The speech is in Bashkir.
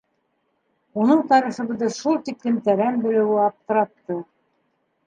Уның тарихыбыҙҙы шул тиклем тәрән белеүе аптыратты.